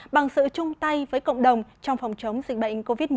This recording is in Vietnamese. bằng sự chung tay với cộng đồng trong phòng chống dịch bệnh covid một mươi chín